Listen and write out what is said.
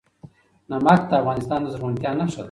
نمک د افغانستان د زرغونتیا نښه ده.